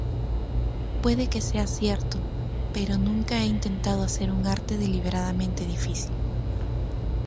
Puede que sea cierto, pero nunca he intentado hacer un arte deliberadamente difícil.